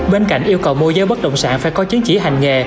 bên cạnh yêu cầu môi giới bất động sản phải có chứng chỉ hành nghề